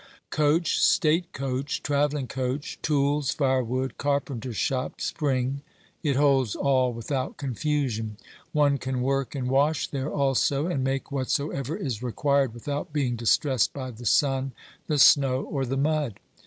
Coach, state coach, travelling coach, tools, firewood, carpenter's shop, spring — it holds all without confusion. One can work and wash there also, and make whatsoever is required with out being distressed by the sun, the snow, or the mud.